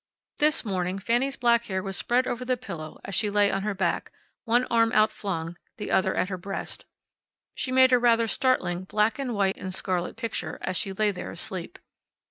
This morning Fanny's black hair was spread over the pillow as she lay on her back, one arm outflung, the other at her breast. She made a rather startlingly black and white and scarlet picture as she lay there asleep.